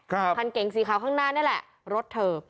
คันเก่งสีขาวข้างหน้านี่แหละรถเธอ